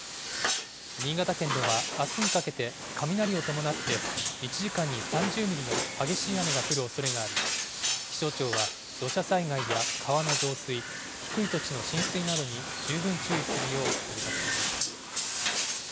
新潟県では、あすにかけて雷を伴って、１時間に３０ミリの激しい雨が降るおそれがあり、気象庁は土砂災害や川の増水、低い土地の浸水などに十分注意するよう呼びかけています。